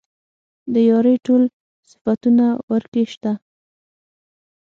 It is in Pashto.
د يارۍ ټول صفتونه ورکې شته.